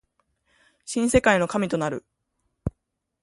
新世界の神となる